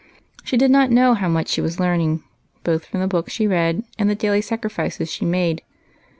POOR MAC. 121 She did not know how much she was learning, both from the books she read and the daily sacrifices she made.